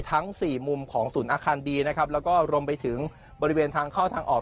ทั้งสี่มุมของศูนย์อาคารบีนะครับแล้วก็รวมไปถึงบริเวณทางเข้าทางออก